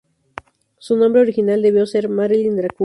Su nombre original debió ser Marilyn Drácula.